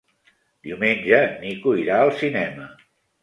Diumenge en Nico irà al cinema.